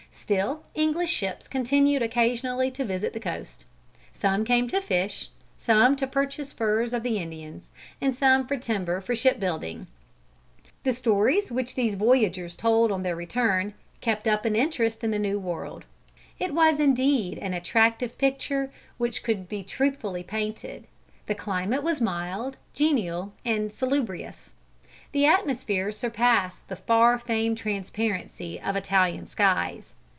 Still English ships continued occasionally to visit the coast. Some came to fish, some to purchase furs of the Indians, and some for timber for shipbuilding. The stories which these voyagers told on their return, kept up an interest in the New World. It was indeed an attractive picture which could be truthfully painted. The climate was mild, genial and salubrious. The atmosphere surpassed the far famed transparency of Italian skies.